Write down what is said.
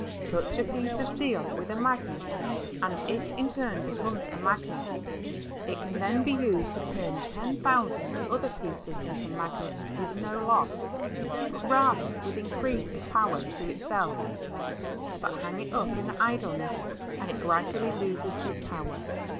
Touch a piece of steel with a magnet, and it in turn becomes a magnet. It can then be used to turn ten thousand other pieces into magnets with no loss, but rather with increase of power to itself. But hang it up in idleness, and it gradually loses its power.